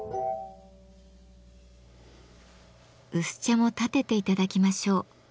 薄茶もたてていただきましょう。